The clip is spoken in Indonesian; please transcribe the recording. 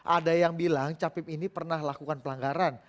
ada yang bilang capim ini pernah lakukan pelanggaran